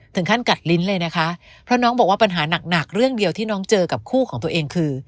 ถึงขั้นกัดลิ้นเลยนะคะเพราะน้องบอกว่าปัญหาหนักหนักเรื่องเดียวที่น้องเจอกับคู่ของตัวเองคือ